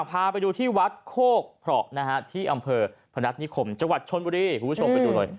พาไปดูที่วัดโคกพรอกนะฮะที่อำเภอพนัทนิขมจชนบุรีผู้ชมไปดูเลย